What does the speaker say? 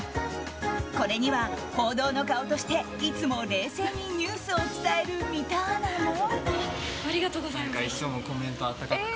これには報道の顔としていつも冷静にニュースを伝える三田アナも。